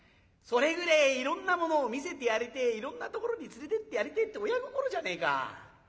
それぐれえいろんなものを見せてやりてえいろんなところに連れてってやりてえって親心じゃねえか。